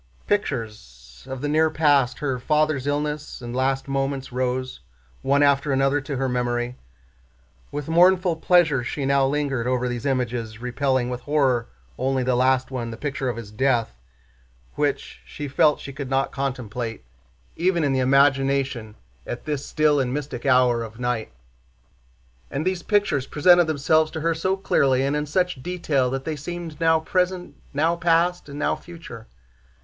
Pictures of the near past—her father's illness and last moments—rose one after another to her memory. With mournful pleasure she now lingered over these images, repelling with horror only the last one, the picture of his death, which she felt she could not contemplate even in imagination at this still and mystic hour of night. And these pictures presented themselves to her so clearly and in such detail that they seemed now present, now past, and now future.